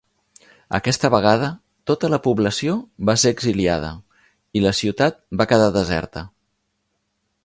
Aquesta vegada, tota la població va ser exiliada, i la ciutat va quedar deserta.